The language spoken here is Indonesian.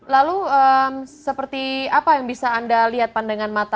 lalu seperti apa yang bisa anda lihat pandangan mata